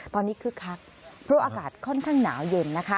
ตอนนี้คึกคักเพราะอากาศค่อนข้างหนาวเย็นนะคะ